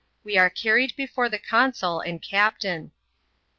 We are carried before the Consul and Captain.